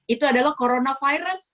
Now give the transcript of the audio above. itu adalah coronavirus